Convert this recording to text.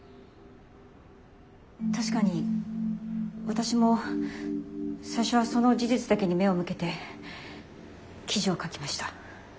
確かに私も最初はその事実だけに目を向けて記事を書きました。